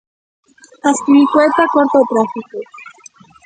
Azpilicueta corta o tráfico.